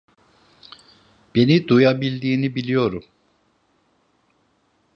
Beni duyabildiğini biliyorum.